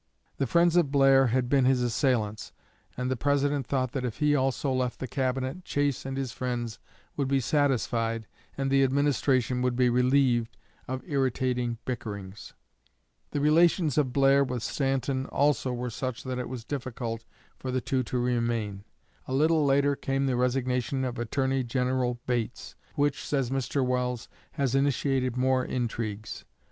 The friends of Blair had been his assailants, and the President thought that if he also left the Cabinet Chase and his friends would be satisfied and the administration would be relieved of irritating bickerings. The relations of Blair with Stanton also were such that it was difficult for the two to remain." A little later came the resignation of Attorney General Bates, which, says Mr. Welles, "has initiated more intrigues.